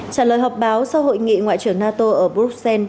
trả lời họp báo sau hội nghị ngoại trưởng nato ở bruxelles